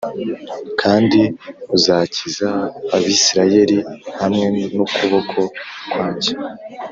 kandi uzakiza Abisirayeli hamwe nukuboko kwanjye